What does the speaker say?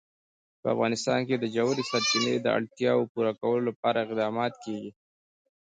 په افغانستان کې د ژورې سرچینې د اړتیاوو پوره کولو لپاره اقدامات کېږي.